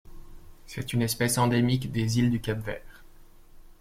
C'est une espèce endémique des Îles du Cap-Vert.